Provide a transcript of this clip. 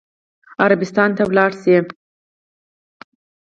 عربستان ته ولاړ شي.